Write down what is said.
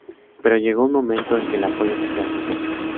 Pero llegó un momento en que el apoyo oficial cesó.